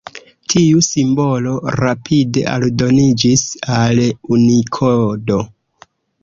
Tiu simbolo rapide aldoniĝis al Unikodo.